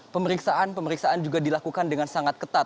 pemeriksaan pemeriksaan juga dilakukan dengan sangat ketat